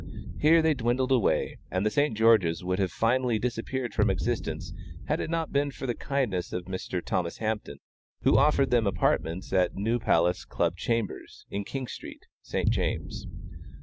Here they dwindled away, and the St. George's would have finally disappeared from existence had it not been for the kindness of Mr. Thomas Hampton, who offered them apartments at New Palace Club Chambers, in King street, St. James's.